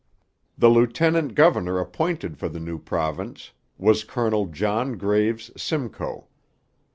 The lieutenant governor appointed for the new province was Colonel John Graves Simcoe.